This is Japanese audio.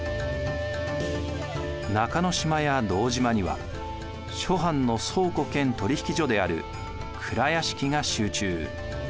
中之島や堂島には諸藩の倉庫兼取引所である蔵屋敷が集中。